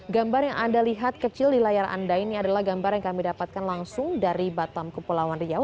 gambar yang anda lihat kecil di layar anda ini adalah gambar yang kami dapatkan langsung dari batam kepulauan riau